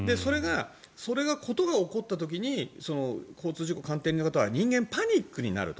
それが、事が起こった時に交通事故鑑定人の方は人間はパニックになると。